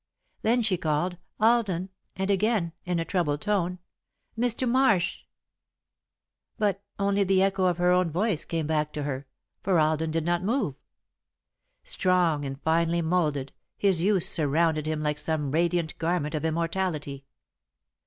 Then she called: "Alden!" and again, in a troubled tone: "Mr. Marsh!" [Sidenote: Calling in Vain] But only the echo of her own voice came back to her, for Alden did not move. Strong and finely moulded, his youth surrounded him like some radiant garment of immortality.